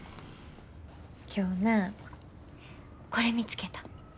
今日なこれ見つけた。